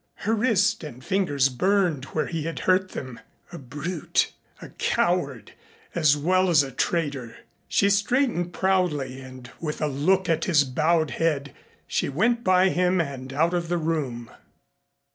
Her wrist and fingers burned where he had hurt them. A brute a coward as well as a traitor. She straightened proudly and with a look at his bowed head, she went by him and out of the room.